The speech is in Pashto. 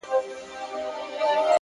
پوه انسان د هر حالت مانا لټوي،